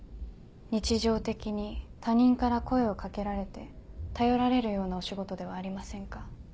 日常的に他人から声を掛けられて頼られるようなお仕事ではありませんか？